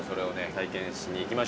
体験しに行きましょう。